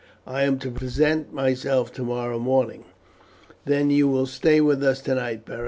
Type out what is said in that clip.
"I am to present myself tomorrow morning." "Then you will stay with us tonight, Beric.